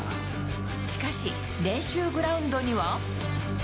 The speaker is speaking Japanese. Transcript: しかし、練習グラウンドには。